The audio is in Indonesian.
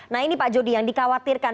nah ini pak jody yang dikhawatirkan